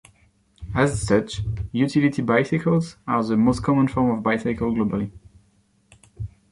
As such, utility bicycles are the most common form of bicycle globally.